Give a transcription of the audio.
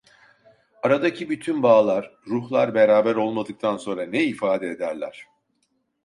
Aradaki bütün bağlar, ruhlar beraber olmadıktan sonra, ne ifade ederler?